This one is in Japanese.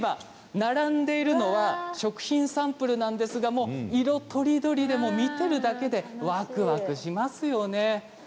並んでいるのは食品サンプルなんですが色とりどり見ているだけでわくわくしますよね。